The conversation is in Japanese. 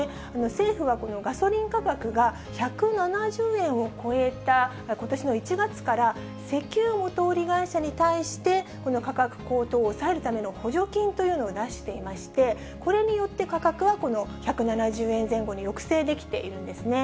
政府はこのガソリン価格が１７０円を超えたことしの１月から、石油元売り会社に対して、この価格高騰を抑えるための補助金というのを出していまして、これによって価格は１７０円前後に抑制できているんですね。